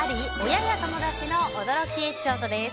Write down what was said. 親や友達の驚きエピソードです。